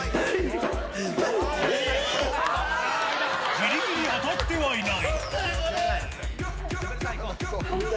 ぎりぎり当たってはいない。